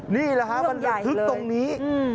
นี่แหละครับมันถึงตรงนี้